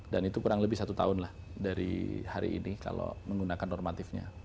dan itu kurang lebih satu tahun lah dari hari ini kalau menggunakan normatifnya